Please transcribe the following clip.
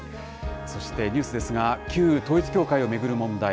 そしてニュースですが、旧統一教会を巡る問題。